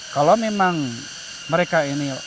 kalau memang mereka ini